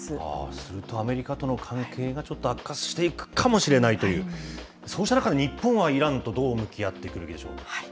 するとアメリカとの関係がちょっと悪化していくかもしれないという、そうした中で日本はイランとどう向き合っていくべきでしょう。